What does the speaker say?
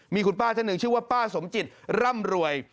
มีคุณป้าท่านหนึ่งชื่อว่าป้าสมจิตร่ำรวย